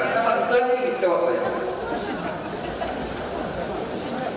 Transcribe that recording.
dan ketika soalnya